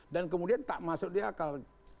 dan kemudian tak masuk di akal